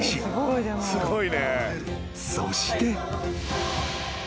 ［そして］